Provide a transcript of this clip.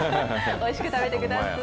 おいしく食べてください。